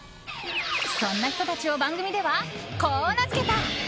そんな人たちを番組ではこう名付けた！